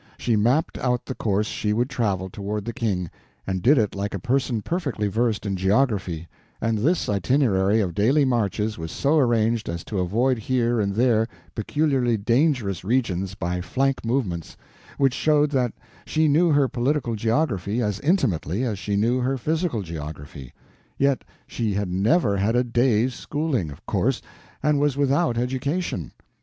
She mapped out the course she would travel toward the King, and did it like a person perfectly versed in geography; and this itinerary of daily marches was so arranged as to avoid here and there peculiarly dangerous regions by flank movements—which showed that she knew her political geography as intimately as she knew her physical geography; yet she had never had a day's schooling, of course, and was without education.